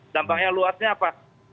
dampak yang luasnya apa